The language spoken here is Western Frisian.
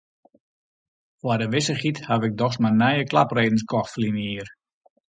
Foar de wissichheid haw ik dochs mar nije klapredens kocht ferline jier.